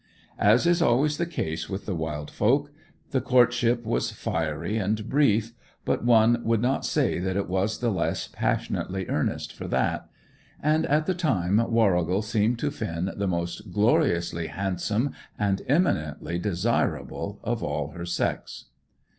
As is always the case with the wild folk, the courtship was fiery and brief, but one would not say that it was the less passionately earnest for that; and, at the time, Warrigal seemed to Finn the most gloriously handsome and eminently desirable of all her sex.